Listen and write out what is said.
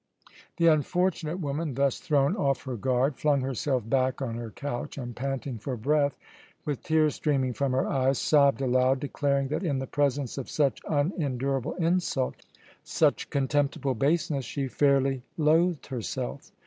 The unfortunate woman, thus thrown off her guard, flung herself back on her couch and, panting for breath, with tears streaming from her eyes, sobbed aloud, declaring that in the presence of such unendurable insult, such contemptible baseness, she fairly loathed herself.